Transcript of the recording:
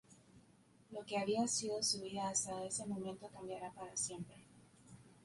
Lo que había sido su vida hasta ese momento cambiará para siempre.